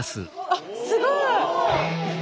あっすごい！